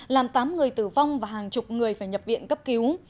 làm tám người tử vong và hàng chục người phải nhập viện cấp cứu